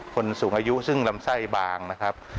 คนสูงอายุซึ่งลำไส้บางนะครับ